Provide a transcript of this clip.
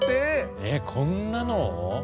えっこんなのを？